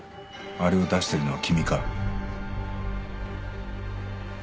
あれを出してるのは君か？